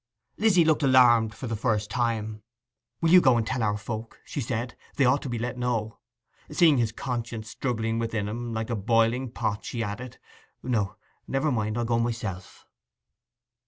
Lizzy looked alarmed for the first time. 'Will you go and tell our folk?' she said. 'They ought to be let know.' Seeing his conscience struggling within him like a boiling pot, she added, 'No, never mind, I'll go myself.